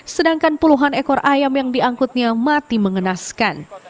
sedangkan puluhan ekor ayam yang diangkutnya mati mengenaskan